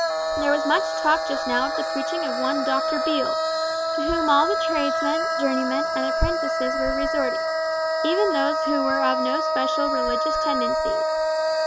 There was much talk just now of the preaching of one Doctor Beale, to whom all the tradesmen, journeymen, and apprentices were resorting, even those who were of no special religious tendencies.